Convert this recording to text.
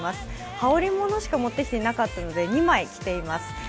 羽織物しか持ってこなかったので２枚着ています。